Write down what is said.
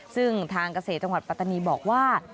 ซึ่งทางเกษตรจังหวัดปัตตานีบอกว่า